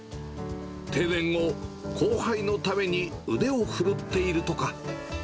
定年後、後輩のために腕を振るっているとか。